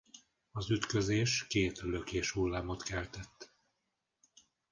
Az ütközés két lökéshullámot keltett.